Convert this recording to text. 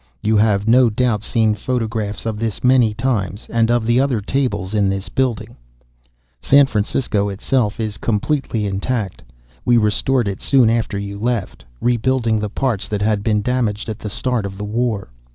"You have no doubt seen photographs of this many times, and of the other tables in this building. "San Francisco itself is completely intact. We restored it soon after you left, rebuilding the parts that had been damaged at the start of the war.